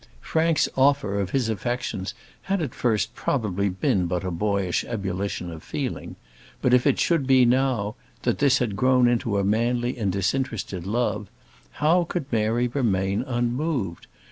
Frank's offer of his affections had at first probably been but a boyish ebullition of feeling; but if it should now be, that this had grown into a manly and disinterested love, how could Mary remain unmoved?